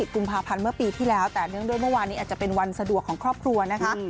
กุมภาพันธ์เมื่อปีที่แล้วแต่เนื่องด้วยเมื่อวานนี้อาจจะเป็นวันสะดวกของครอบครัวนะคะ